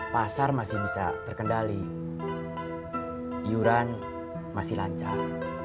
pasar masih bisa terkendali iuran masih lancar